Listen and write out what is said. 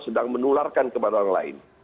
sedang menularkan kepada orang lain